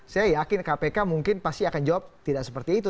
saya yakin kpk mungkin pasti akan jawab tidak seperti itu